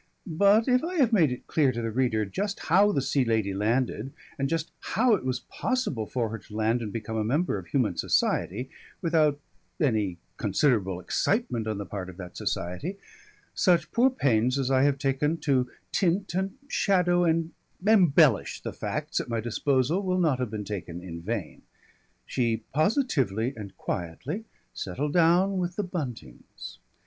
But if I have made it clear to the reader just how the Sea Lady landed and just how it was possible for her to land and become a member of human society without any considerable excitement on the part of that society, such poor pains as I have taken to tint and shadow and embellish the facts at my disposal will not have been taken in vain. She positively and quietly settled down with the Buntings.